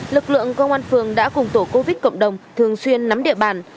lực lượng công an phường đã cùng tổ covid cộng đồng thường xuyên nắm địa bàn